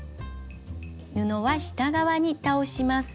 布は下側に倒します。